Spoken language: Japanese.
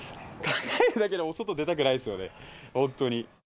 考えるだけで外出たくないですよね、本当に。